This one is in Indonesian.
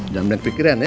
jangan berpikiran ya